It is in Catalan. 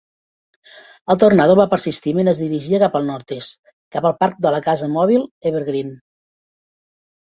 El tornado va persistir mentre es dirigia cap al nord-est, cap al parc de la casa mòbil Evergreen.